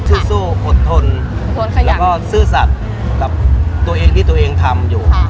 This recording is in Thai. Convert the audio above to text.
สู้อดทนแล้วก็ซื่อสัตว์กับตัวเองที่ตัวเองทำอยู่